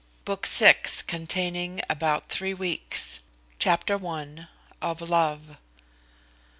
BOOK VI. CONTAINING ABOUT THREE WEEKS. Chapter i. Of love.